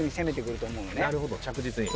なるほど着実に。